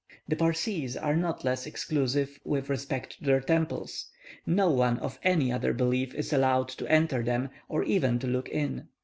The Parsees are not less exclusive with respect to their temples; no one of any other belief is allowed to enter them, or even to look in.